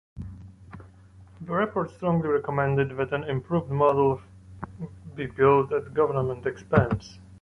The report strongly recommended that an improved model be built at government expense.